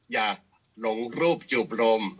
อย่าหลงรูปจูบรม